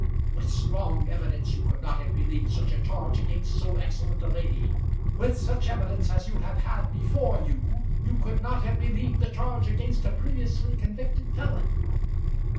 With strong evidence you could not have believed such a charge against so excellent a lady. With such evidence as you have had before you, you could not have believed the charge against a previously convicted felon.